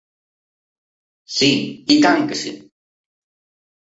Sí, i tant que sí.